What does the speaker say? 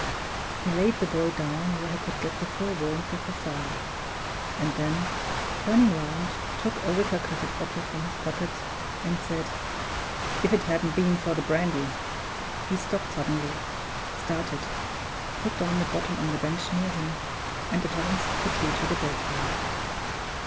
He laid the boy down where he could get the full warmth of the fire; and then, turning round, took a wicker covered bottle from his pocket, and said, "If it hadn't been for the brandy " He stopped suddenly started put down the bottle on the bench near him and advanced quickly to the bedside.